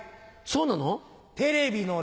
そうなの？